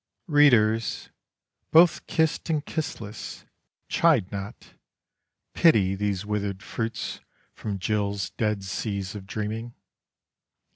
Readers, both kissed and kissless, chide not; pity These withered fruits from Jill's dead seas of dreaming.